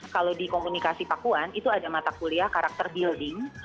kalau di komunikasi pakuan itu ada mata kuliah karakter building